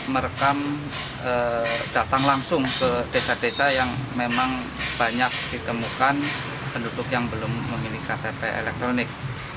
merekam datang langsung ke desa desa yang memang banyak ditemukan penduduk yang belum memiliki ktp elektronik